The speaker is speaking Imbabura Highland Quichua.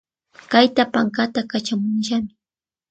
Kayta pankata Kachamunillami